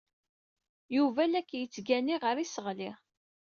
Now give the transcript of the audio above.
Yuba la k-yettgani ɣer yiseɣli.